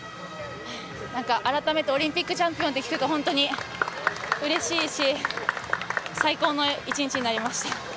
なんか改めてオリンピックチャンピオンって聞くと、本当にうれしいし、最高の一日になりました。